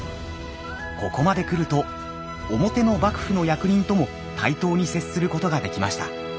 ここまで来ると表の幕府の役人とも対等に接することができました。